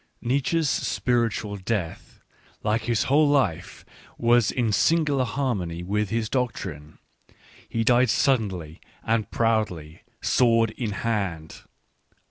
Nietzsche's spiritual death, like his whole life, was in singular harmony with his doctrine : he died suddenly and proudly, — sword in hand.